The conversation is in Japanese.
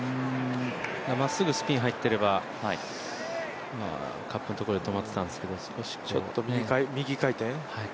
まっすぐスピン入ってればカップのところで止まってたんですけど、ちょっとね。